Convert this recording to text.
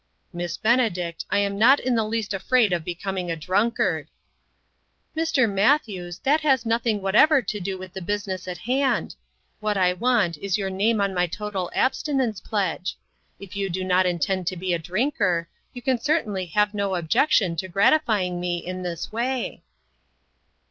"Miss Benedict, I am not in the least afraid of becoming a drunkard." " Mr. Matthews, that has nothing what ever to do with the business in hand. What I want is your name on my total abstinence pledge. If you do not intend to be a drinker, you can certainly have no objection to gratifying me in this way."